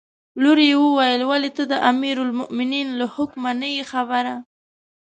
لور یې وویل: ولې ته د امیرالمؤمنین له حکمه نه یې خبره.